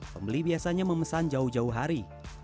pembeli biasanya memesan jauh jauh hari